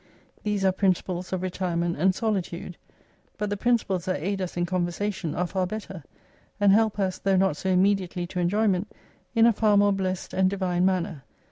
These are principles of retirement and solitude ; but the principles that aid us in conversation are far better : and help us, though not so immediately to enjoyment, in a far more blessed and divine manner.